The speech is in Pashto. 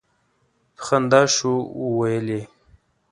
په خندا شو ویل یې.